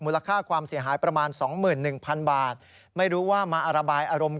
ค่าความเสียหายประมาณ๒๑๐๐๐บาทไม่รู้ว่ามาระบายอารมณ์